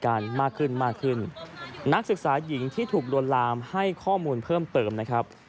มากขึ้นมากขึ้นนักศึกษาหญิงที่ถูกลวนลามให้ข้อมูลเพิ่มเติมนะครับ